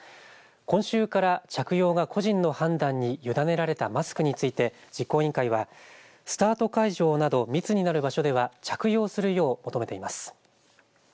今週から着用が個人の判断に委ねられたマスクについて実行委員会はスタート会場など密になる場所では着用するよう求めています。